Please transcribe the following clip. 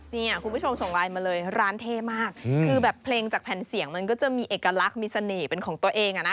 คุณผู้ชมส่งไลน์มาเลยร้านเท่มากคือแบบเพลงจากแผ่นเสียงมันก็จะมีเอกลักษณ์มีเสน่ห์เป็นของตัวเองอ่ะนะ